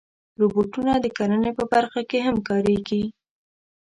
روبوټونه د کرنې په برخه کې هم کارېږي.